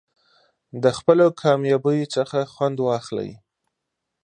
د خپلو کامیابیو څخه خوند واخلئ.